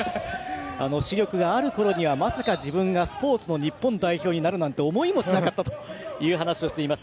視力があるころにはまさか自分がスポーツの日本代表になるなんて思いもしなかったという話をしています